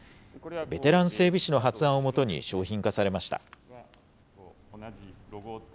ベテラン整備士の発案をもとに商品化されました。